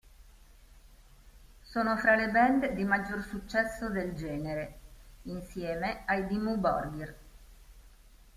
Sono fra le band di maggior successo del genere insieme ai Dimmu Borgir.